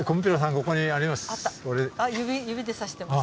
ここにあります。